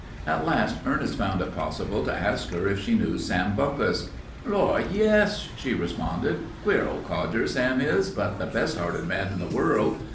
At last Ernest found it possible to ask her if she knew Sam Bumpus. "Lor', yes," she responded. "Queer old codger, Sam is, but the best hearted man in the world.